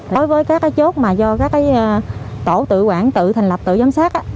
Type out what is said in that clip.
đối với các chốt mà do các tổ tự quản tự thành lập tự giám sát